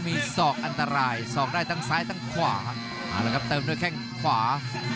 มีสอกอันตรายสอกได้ทั้งซ้ายขวาอะและก็ก็เติมด้วยแข้งขวา